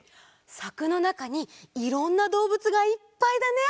さくのなかにいろんなどうぶつがいっぱいだね！